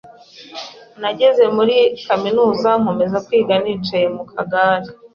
Nageze muri kaminuza nkomeza kwiga nicaye mu kagare